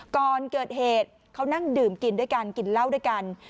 ก่อนเกิดเหตุเขานั่งดื่มกินด้วยกันกินเหล้าด้วยกัน